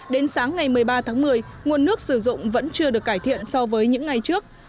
đến sáng ngày một mươi ba tháng một mươi nguồn nước sử dụng vẫn chưa được cải thiện so với những ngày trước